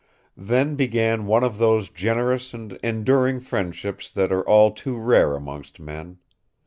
Then began one of those generous and enduring friendships that are all too rare amongst men.